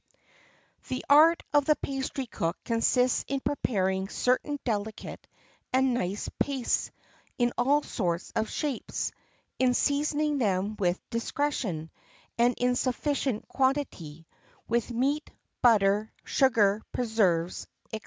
The art of the pastry cook consists in preparing certain delicate and nice pastes in all sorts of shapes, in seasoning them with discretion, and in sufficient quantity, with meat, butter, sugar, preserves, &c.